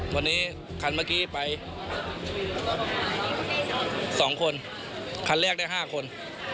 วันนี้คันเมื่อกี้ไป๒คนคันแรกได้๕คน